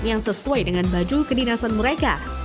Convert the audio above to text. yang sesuai dengan baju kedinasan mereka